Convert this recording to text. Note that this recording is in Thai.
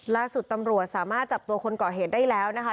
ล่าสุดตำรวจสามารถจับตัวคนก่อเหตุได้แล้วนะคะ